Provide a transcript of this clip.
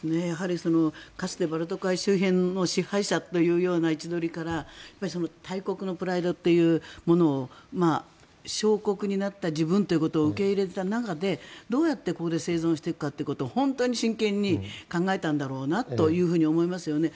かつて、バルト海周辺の支配者というような位置取りから大国のプライドというものを小国になった自分ということを受け入れた中でどうやってここで生存していくかを本当に真剣に考えたんだろうなというふうに思いますよね。